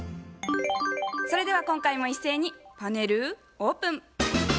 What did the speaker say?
それでは今回も一斉にパネルオープン。